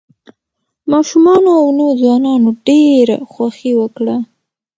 ماشومانو او نوو ځوانانو ډېره خوښي وکړه.